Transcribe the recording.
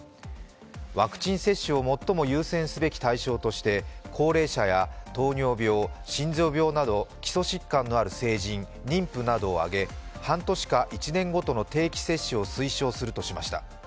ワクチン接種を最も優先すべき対象として高齢者や糖尿病、心臓病など基礎疾患のある成人妊婦などを挙げ、半年か１年ごとの定期接種を推奨するとしました。